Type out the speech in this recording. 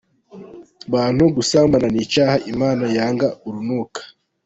Bantu gusambana nicyaha Imana yanga urunuka.